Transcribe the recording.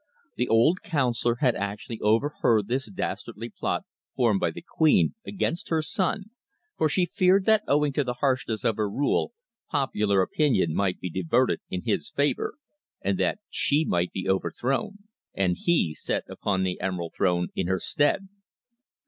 The old councillor had actually overheard this dastardly plot formed by the queen against her son, for she feared that owing to the harshness of her rule popular opinion might be diverted in his favour, and that she might be overthrown, and he set upon the Emerald Throne in her stead.